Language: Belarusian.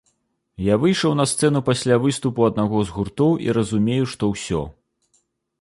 Я выйшаў на сцэну пасля выступу аднаго з гуртоў і разумею, што ўсё!